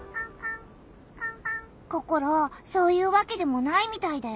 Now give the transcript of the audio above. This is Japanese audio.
ココロそういうわけでもないみたいだよ。